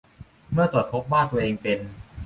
เมื่อตรวจพบว่าตัวเองเป็น